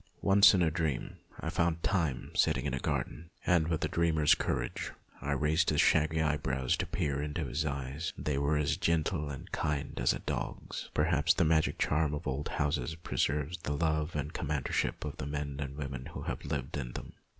Once in a dream I found Time sitting in a garden, and with a dreamer's courage I raised his shaggy eyebrows to peer into his eyes. They were as gentle and kind as a dog's. Perhaps the magic charm of old houses preserves the love and com 250 MONOLOGUES radeship of the men and women who have lived in them.